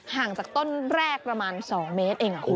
ห่างจากต้นแรกประมาณ๒เมตรเองคุณ